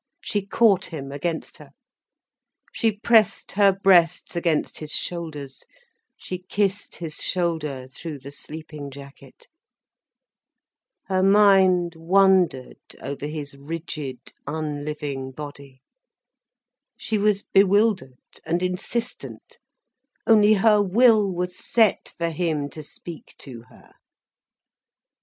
She caught him against her. She pressed her breasts against his shoulders, she kissed his shoulder, through the sleeping jacket. Her mind wondered, over his rigid, unliving body. She was bewildered, and insistent, only her will was set for him to speak to her.